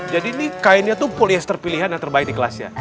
jadi ini kainnya tuh polyester pilihan yang terbaik di kelasnya